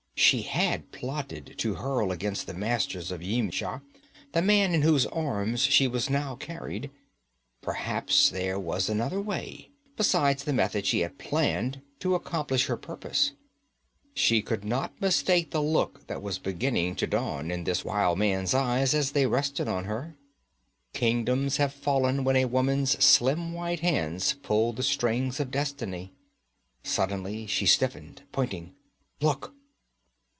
She had plotted to hurl against the masters of Yimsha the man in whose arms she was now carried. Perhaps there was another way, besides the method she had planned, to accomplish her purpose. She could not mistake the look that was beginning to dawn in this wild man's eyes as they rested on her. Kingdoms have fallen when a woman's slim white hands pulled the strings of destiny. Suddenly she stiffened, pointing. 'Look!'